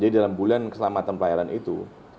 jadi dalam bulan keselamatan pelayaran itu